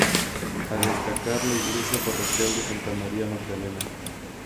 A destacar la Iglesia parroquial de Santa María Magdalena.